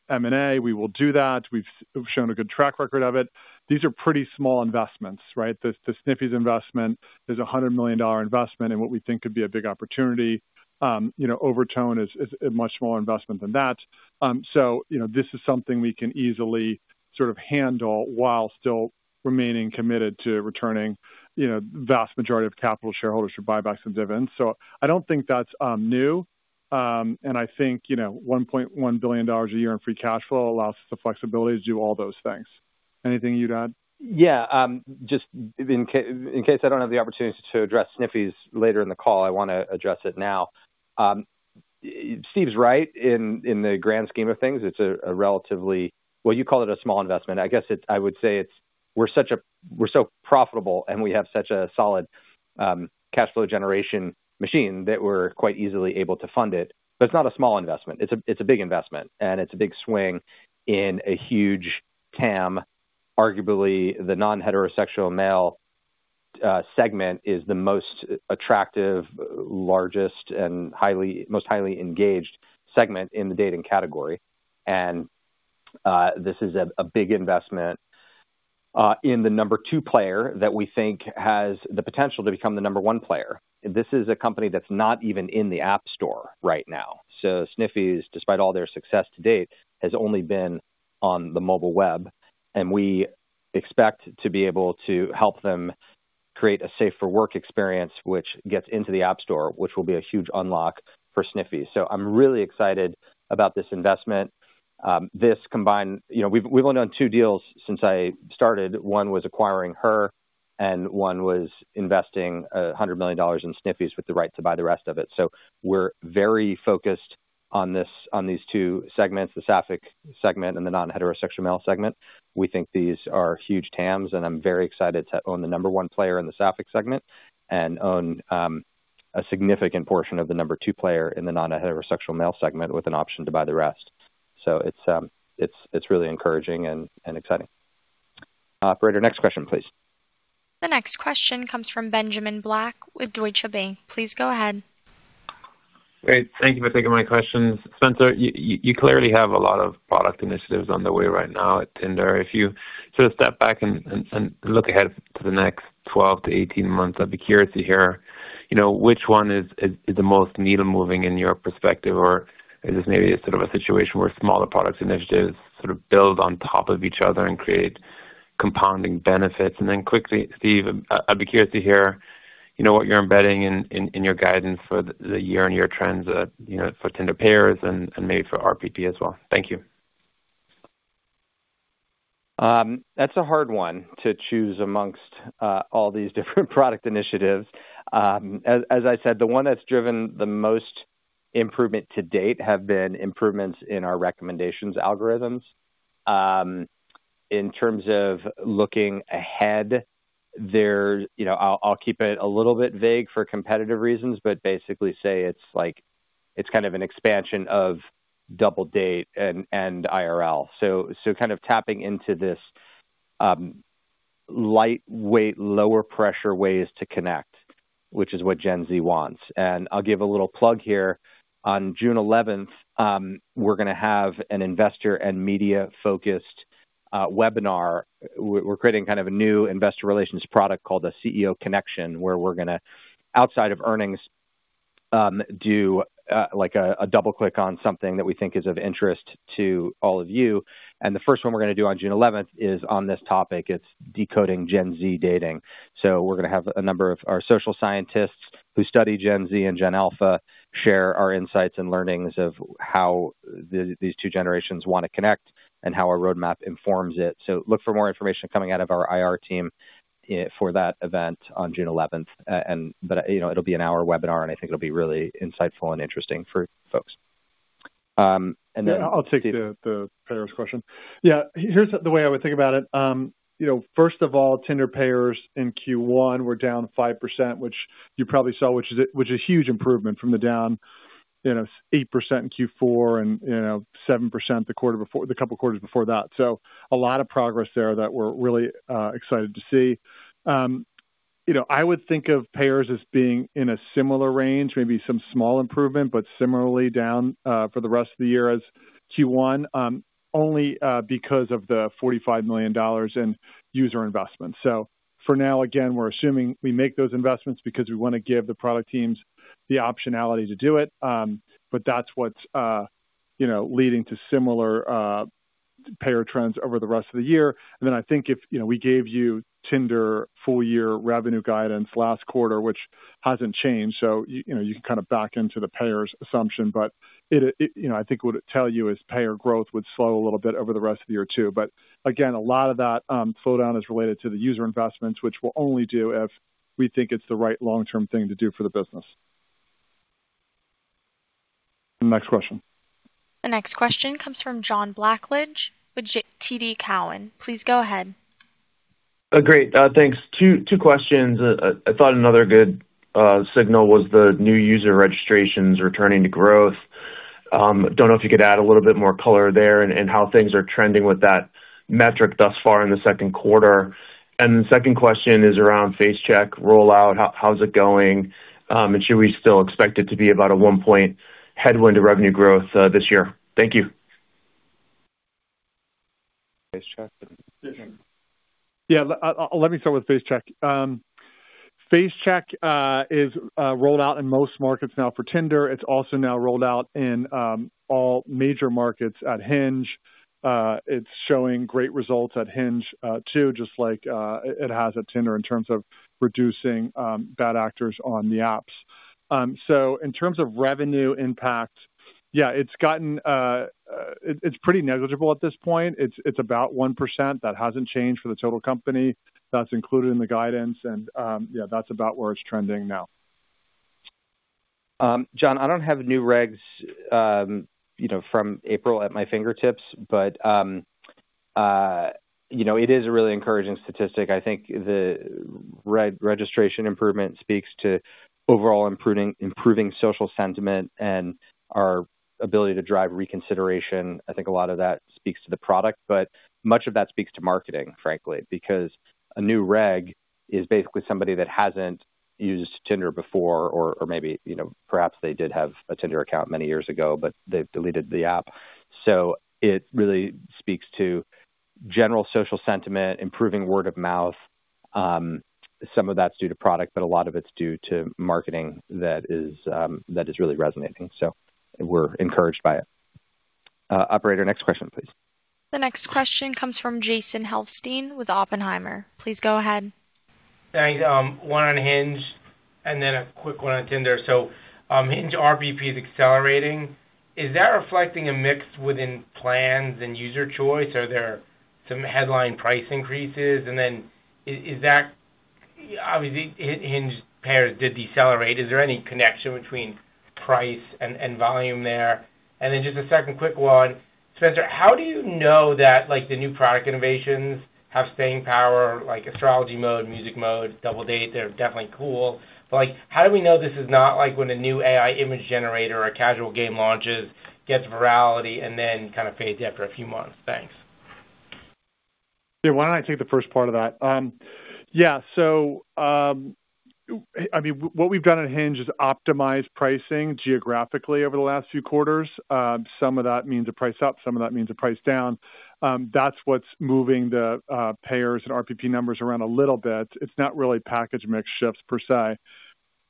M&A, we will do that. We've shown a good track record of it. These are pretty small investments, right? The Sniffies investment is a $100 million investment in what we think could be a big opportunity. You know, Overtone is a much smaller investment than that. You know, this is something we can easily sort of handle while still remaining committed to returning, you know, vast majority of capital to shareholders through buybacks and dividends. I don't think that's new. I think, you know, $1.1 billion a year in free cash flow allows us the flexibility to do all those things. Anything you'd add? Yeah. Just in case I don't have the opportunity to address Sniffies later in the call, I wanna address it now. Steve's right. In the grand scheme of things, it's a relatively Well, you call it a small investment. I would say it's We're so profitable, and we have such a solid cash flow generation machine that we're quite easily able to fund it. It's not a small investment. It's a big investment, and it's a big swing in a huge TAM. Arguably, the non-heterosexual male segment is the most attractive, largest, and most highly engaged segment in the dating category. This is a big investment in the number two player that we think has the potential to become the number one player. This is a company that's not even in the App Store right now. Sniffies, despite all their success to date, has only been on the mobile web, and we expect to be able to help them create a safer work experience which gets into the App Store, which will be a huge unlock for Sniffies. I'm really excited about this investment. This combined, you know, we've only done two deals since I started. One was acquiring Her, and one was investing $100 million in Sniffies with the right to buy the rest of it. We're very focused on this, on these two segments, the Sapphic segment and the non-heterosexual male segment. We think these are huge TAMs, and I'm very excited to own the number one player in the Sapphic segment and own a significant portion of the number two player in the non-heterosexual male segment with an option to buy the rest. It's really encouraging and exciting. Operator, next question, please. The next question comes from Benjamin Black with Deutsche Bank. Please go ahead. Great. Thank you for taking my questions. Spencer, you clearly have a lot of product initiatives on the way right now at Tinder. If you sort of step back and look ahead to the next 12 to 18 months, I'd be curious to hear, you know, which one is the most needle-moving in your perspective or is this maybe a sort of a situation where smaller product initiatives sort of build on top of each other and create compounding benefits? Then quickly, Steve, I'd be curious to hear, you know, what you're embedding in your guidance for the year-on-year trends, you know, for Tinder payers and maybe for RPP as well. Thank you. That's a hard one to choose amongst all these different product initiatives. As I said, the one that's driven the most improvement to date have been improvements in our recommendations algorithms. In terms of looking ahead, you know, I'll keep it a little bit vague for competitive reasons, but basically say it's like, it's kind of an expansion of Double Date and IRL. So kind of tapping into this lightweight, lower pressure ways to connect, which is what Gen Z wants. I'll give a little plug here. On June 11th, we're gonna have an investor and media-focused webinar. We're creating kind of a new investor relations product called a CEO Connection, where we're gonna, outside of earnings, do like a double-click on something that we think is of interest to all of you. The first one we're gonna do on June 11th is on this topic. It's decoding Gen Z dating. We're gonna have a number of our social scientists who study Gen Z and Gen Alpha share our insights and learnings of how these two generations wanna connect and how our roadmap informs it. Look for more information coming out of our IR team for that event on June 11th. You know, it'll be an hour webinar, and I think it'll be really insightful and interesting for folks. I'll take the payers question. Here's the way I would think about it. You know, first of all, Tinder payers in Q1 were down 5%, which you probably saw, which is a huge improvement from the down, you know, 8% in Q4 and, you know, 7% the couple quarters before that. A lot of progress there that we're really excited to see. You know, I would think of payers as being in a similar range, maybe some small improvement, but similarly down for the rest of the year as Q1, only because of the $45 million in user investments. For now, again, we're assuming we make those investments because we wanna give the product teams the optionality to do it. That's what's, you know, leading to similar payer trends over the rest of the year. I think if, you know, we gave you Tinder full-year revenue guidance last quarter, which hasn't changed. You know, you can kind of back into the payers assumption, but you know, I think what it tell you is payer growth would slow a little bit over the rest of the year, too. Again, a lot of that slowdown is related to the user investments, which we'll only do if we think it's the right long-term thing to do for the business. The next question. The next question comes from John Blackledge with TD Cowen. Please go ahead. Great. Thanks. Two questions. I thought another good signal was the new user registrations returning to growth. Don't know if you could add a little bit more color there and how things are trending with that metric thus far in Q2. The second question is around Face Check rollout. How is it going? Should we still expect it to be about a one-point headwind to revenue growth this year? Thank you. Face Check? Let me start with Face Check. Face Check is rolled out in most markets now for Tinder. It's also now rolled out in all major markets at Hinge. It's showing great results at Hinge too, just like it has at Tinder in terms of reducing bad actors on the apps. In terms of revenue impact, it's pretty negligible at this point. It's about 1%. That hasn't changed for the total company. That's included in the guidance. That's about where it's trending now. John, I don't have new regs from April at my fingertips, but it is a really encouraging statistic. I think the re-registration improvement speaks to overall improving social sentiment and our ability to drive reconsideration. I think a lot of that speaks to the product, but much of that speaks to marketing, frankly, because a new reg is basically somebody that hasn't used Tinder before or maybe perhaps they did have a Tinder account many years ago, but they've deleted the app. It really speaks to general social sentiment, improving word of mouth. Some of that's due to product, but a lot of it's due to marketing that is really resonating. We're encouraged by it. Operator, next question, please. The next question comes from Jason Helfstein with Oppenheimer. Please go ahead. Thanks. One on Hinge and then a quick one on Tinder. Hinge RPP is accelerating. Is that reflecting a mix within plans and user choice? Are there some headline price increases? Obviously, Hinge payers did decelerate. Is there any connection between price and volume there? Just a second quick one. Spencer, how do you know that, like, the new product innovations have staying power, like Astrology Mode, Music Mode, Double Date? They're definitely cool, but, like, how do we know this is not like when a new AI image generator or a casual game launches, gets virality, and then kind of fades after a few months? Thanks. Why don't I take the first part of that? I mean, what we've done at Hinge is optimized pricing geographically over the last few quarters. Some of that means a price up, some of that means a price down. That's what's moving the payers and RPP numbers around a little bit. It's not really package mix shifts per se.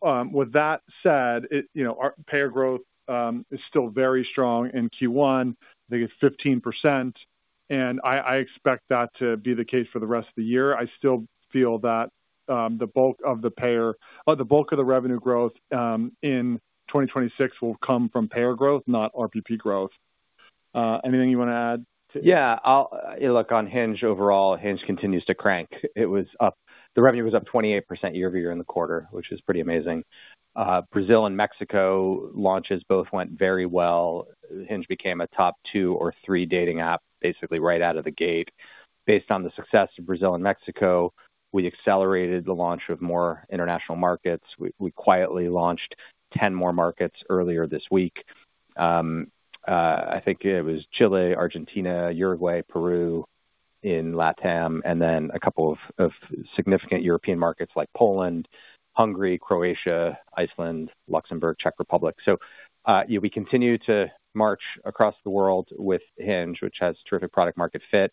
With that said, it, you know, our payer growth is still very strong in Q1. I think it's 15%, and I expect that to be the case for the rest of the year. I still feel that the bulk of the revenue growth in 2026 will come from payer growth, not RPP growth. Yeah. Look, on Hinge, overall, Hinge continues to crank. The revenue was up 28 year-over-year in the quarter, which is pretty amazing. Brazil and Mexico launches both went very well. Hinge became a top two or three dating app basically right out of the gate. Based on the success of Brazil and Mexico, we accelerated the launch of more international markets. We quietly launched 10 more markets earlier this week. I think it was Chile, Argentina, Uruguay, Peru in LatAm, and then a couple of significant European markets like Poland, Hungary, Croatia, Iceland, Luxembourg, Czech Republic. Yeah, we continue to march across the world with Hinge, which has terrific product market fit.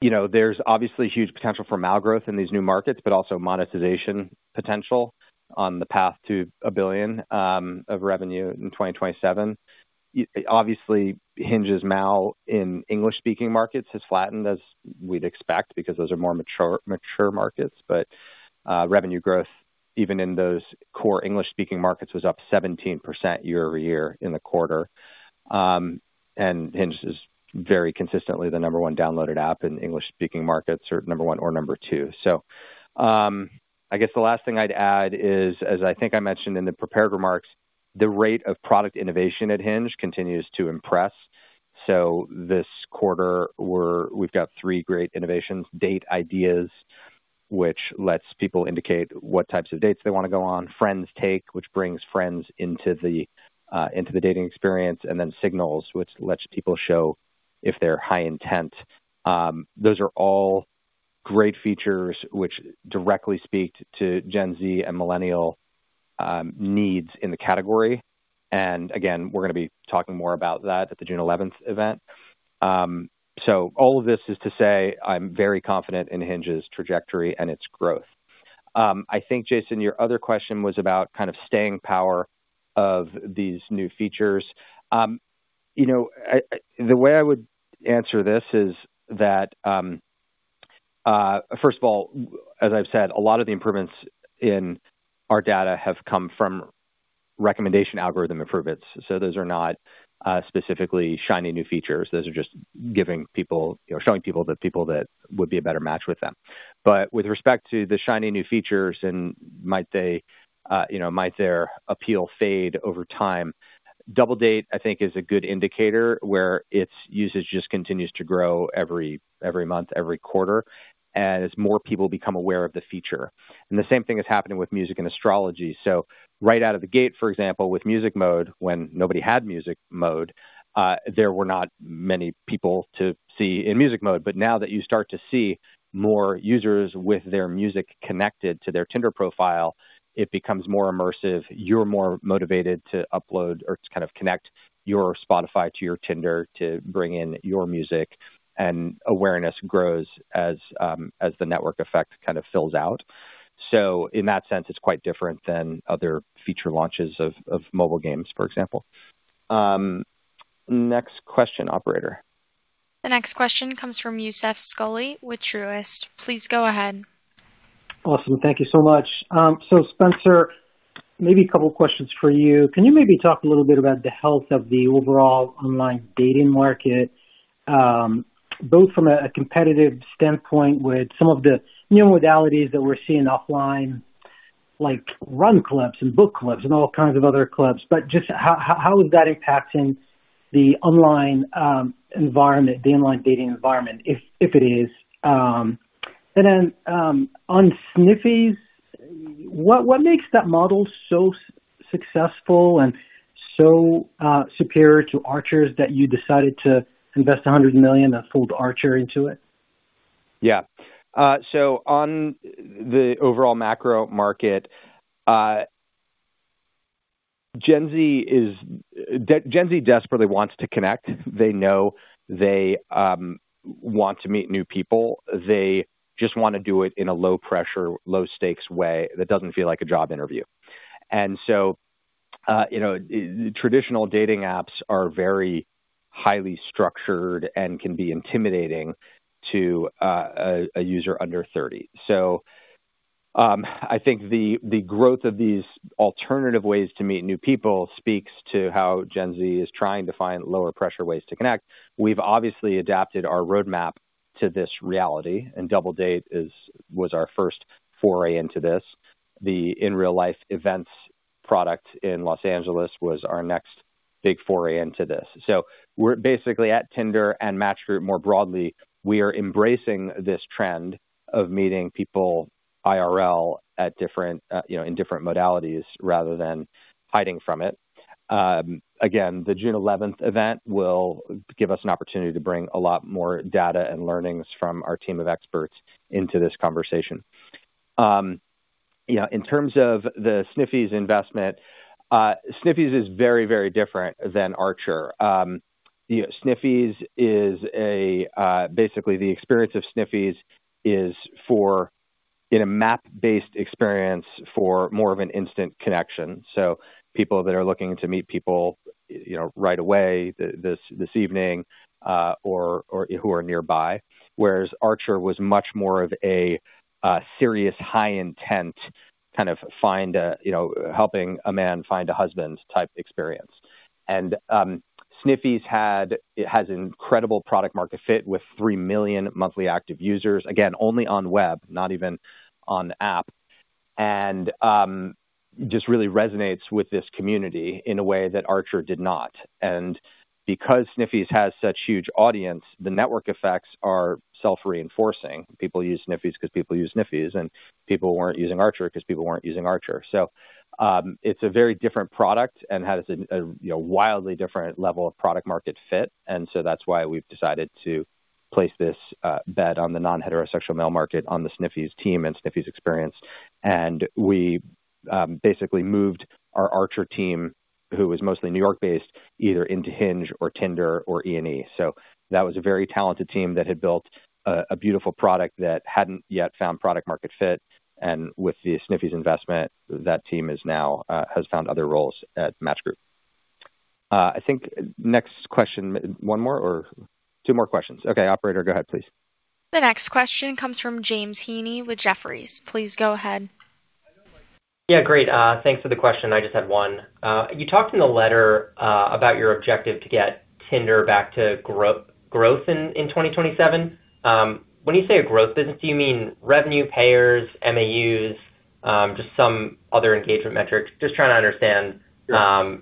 You know, there's obviously huge potential for MAU growth in these new markets, but also monetization potential on the path to a billion of revenue in 2027. Obviously, Hinge's MAU in English-speaking markets has flattened as we'd expect because those are more mature markets. Revenue growth, even in those core English-speaking markets, was up 17% year-over-year in the quarter. Hinge is very consistently the number one downloaded app in English-speaking markets, or number one or number two. I guess the last thing I'd add is, as I think I mentioned in the prepared remarks, the rate of product innovation at Hinge continues to impress. This quarter we've got three great innovations: Date Ideas, which lets people indicate what types of dates they wanna go on; Friends Take, which brings friends into the dating experience; and then Signals, which lets people show if they're high intent. Those are all great features which directly speak to Gen Z and millennial needs in the category. Again, we're gonna be talking more about that at the June 11th event. All of this is to say I'm very confident in Hinge's trajectory and its growth. I think, Jason, your other question was about kind of staying power of these new features. You know, the way I would answer this is that, first of all, as I've said, a lot of the improvements in our data have come from recommendation algorithm improvements, those are not specifically shiny new features. Those are just giving people, you know, showing people the people that would be a better match with them. With respect to the shiny new features and might they, you know, might their appeal fade over time, Double Date, I think, is a good indicator where its usage just continues to grow every month, every quarter as more people become aware of the feature. The same thing is happening with Music and Astrology. Right out of the gate, for example, with Music Mode, when nobody had Music Mode, there were not many people to see in Music Mode. Now that you start to see more users with their music connected to their Tinder profile, it becomes more immersive. You're more motivated to upload or to kind of connect your Spotify to your Tinder to bring in your music, awareness grows as the network effect kind of fills out. In that sense, it's quite different than other feature launches of mobile games, for example. Next question, operator. The next question comes from Youssef Squali with Truist. Please go ahead. Awesome. Thank you so much. Spencer, maybe a couple questions for you. Can you maybe talk a little bit about the health of the overall online dating market, both from a competitive standpoint with some of the new modalities that we're seeing offline, like run clubs and book clubs and all kinds of other clubs, but just how is that impacting the online environment, the online dating environment, if it is? Then, on Sniffies, what makes that model so successful and so superior to Archer's that you decided to invest $100 million and fold Archer into it? On the overall macro market, Gen Z desperately wants to connect. They know they want to meet new people. They just want to do it in a low pressure, low stakes way that doesn't feel like a job interview. You know, traditional dating apps are very highly structured and can be intimidating to a user under 30. I think the growth of these alternative ways to meet new people speaks to how Gen Z is trying to find lower pressure ways to connect. We've obviously adapted our roadmap to this reality, Double Date was our first foray into this. The In Real Life events product in Los Angeles was our next big foray into this. We're basically at Tinder and Match Group more broadly, we are embracing this trend of meeting people IRL at different, you know, in different modalities rather than hiding from it. Again, the June 11th event will give us an opportunity to bring a lot more data and learnings from our team of experts into this conversation. You know, in terms of the Sniffies investment, Sniffies is very, very different than Archer. You know, Sniffies is a, basically the experience of Sniffies is for in a map-based experience for more of an instant connection. People that are looking to meet people, you know, right away, this evening, or who are nearby, whereas Archer was much more of a serious high intent kind of find a, you know, helping a man find a husband type experience. Sniffies has incredible product market fit with 3 million monthly active users. Again, only on web, not even on the app. Just really resonates with this community in a way that Archer did not. Because Sniffies has such huge audience, the network effects are self-reinforcing. People use Sniffies 'cause people use Sniffies and people weren't using Archer 'cause people weren't using Archer. It's a very different product and has a, you know, wildly different level of product market fit. That's why we've decided to place this bet on the non-heterosexual male market on the Sniffies team and Sniffies experience. We basically moved our Archer team, who was mostly New York-based, either into Hinge or Tinder or E&E. That was a very talented team that had built a beautiful product that hadn't yet found product market fit. With the Sniffies investment, that team is now has found other roles at Match Group. I think next question, one more or two more questions? Okay, operator, go ahead, please. The next question comes from James Heaney with Jefferies. Please go ahead. Yeah. Great. Thanks for the question. I just had one. You talked in the letter about your objective to get Tinder back to growth in 2027. When you say a growth business, do you mean revenue, payers, MAUs, just some other engagement metrics? Just trying to understand. Sure.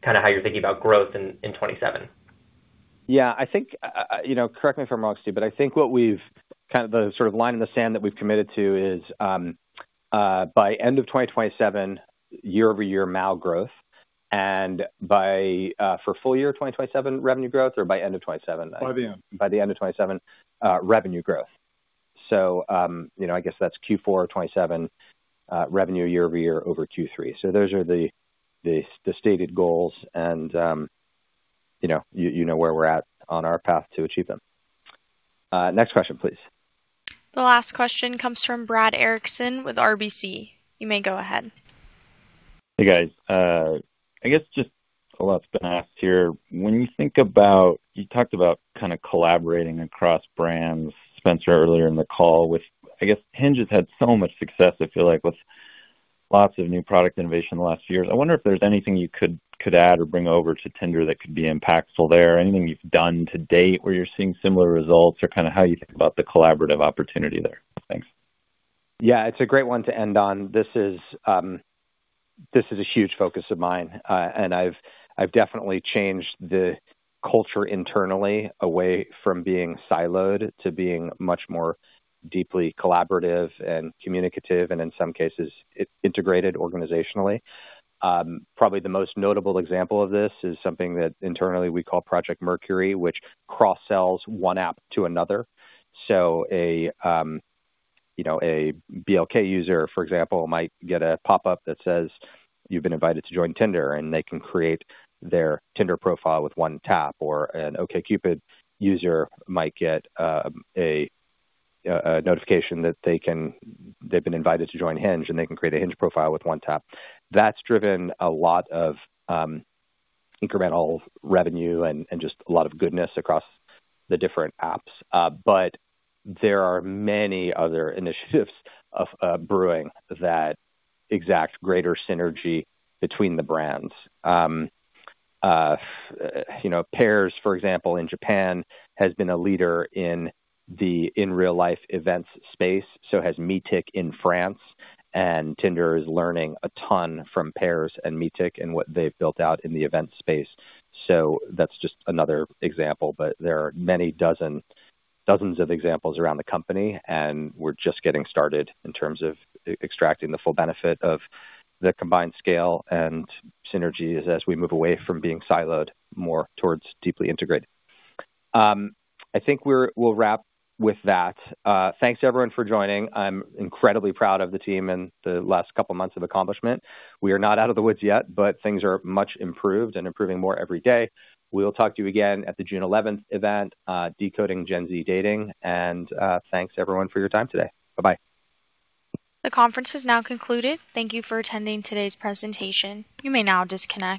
Kind of how you're thinking about growth in 2027? Yeah, I think, you know, correct me if I'm wrong, Steve, but I think what we've kind of the sort of line in the sand that we've committed to is, by end of 2027, year-over-year MAU growth and for full year 2027 revenue growth or by end of 2027? By the end. By the end of 2027, revenue growth. You know, I guess that's Q4 2027, revenue year-over-year over Q3. Those are the stated goals and, you know, you know where we're at on our path to achieve them. Next question, please. The last question comes from Brad Erickson with RBC. You may go ahead. Hey, guys. I guess just a lot's been asked here. You talked about kind of collaborating across brands, Spencer, earlier in the call with, I guess, Hinge has had so much success, I feel like with lots of new product innovation in the last few years. I wonder if there's anything you could add or bring over to Tinder that could be impactful there. Anything you've done to date where you're seeing similar results or kind of how you think about the collaborative opportunity there? Thanks. Yeah, it's a great one to end on. This is a huge focus of mine. I've definitely changed the culture internally away from being siloed to being much more deeply collaborative and communicative and in some cases, integrated organizationally. Probably the most notable example of this is something that internally we call Project Mercury, which cross-sells one app to another. A, you know, a BLK user, for example, might get a pop-up that says, "You've been invited to join Tinder," and they can create their Tinder profile with one tap or an OkCupid user might get a notification that they've been invited to join Hinge, and they can create a Hinge profile with one tap. That's driven a lot of incremental revenue and just a lot of goodness across the different apps. There are many other initiatives of brewing that exact greater synergy between the brands. You know, Pairs, for example, in Japan, has been a leader in the in-real-life events space, so has Meetic in France, and Tinder is learning a ton from Pairs and Meetic and what they've built out in the event space. That's just another example. There are many dozens of examples around the company, and we're just getting started in terms of extracting the full benefit of the combined scale and synergies as we move away from being siloed, more towards deeply integrated. I think we'll wrap with that. Thanks everyone for joining. I'm incredibly proud of the team and the last couple of months of accomplishment. We are not out of the woods yet, but things are much improved and improving more every day. We'll talk to you again at the June 11th event, Decoding Gen Z Dating. Thanks everyone for your time today. Bye-bye. The conference is now concluded. Thank you for attending today's presentation. You may now disconnect.